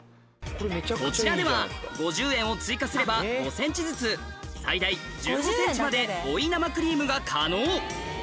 こちらでは５０円を追加すれば５ｃｍずつ最大１５ｃｍまで追い生クリームが可能秋山は